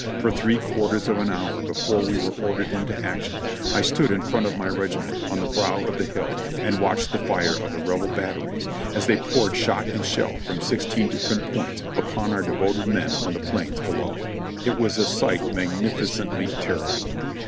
For three quarters of an hour before we were ordered into action, I stood in front of my legiment on the brow of the hill and watched the fire of the Rebel batteries as they poured shot and shell from sixteen dififerent points upon otir devoted men on the plains below. It was a sight magnificently terrible.